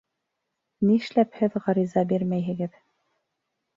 Ни эшләп һеҙ ғариза бирмәйһегеҙ?